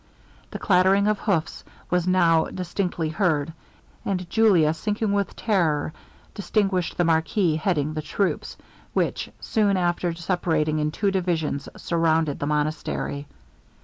The clattering of hoofs was now distinctly heard; and Julia, sinking with terror, distinguished the marquis heading the troops, which, soon after separating in two divisions, surrounded the monastery.